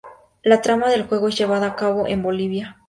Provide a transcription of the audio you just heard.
La trama del juego es llevada a cabo en Bolivia.